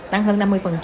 tăng hơn năm mươi